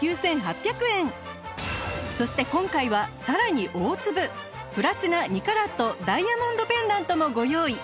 そして今回はさらに大粒プラチナ２カラットダイヤモンドペンダントもご用意